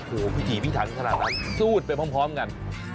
โอ้โฮผิดหยิบพี่ถังขนาดนั้นสูตรไปพร้อมกัน